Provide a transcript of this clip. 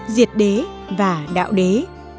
diệt đế và đạo phật